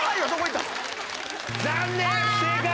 残念！